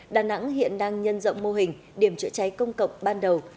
đà nẵng hiện đang nhân rộng mô hình điểm chữa cháy công cộng ban đầu